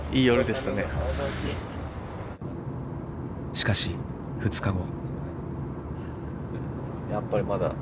しかし２日後。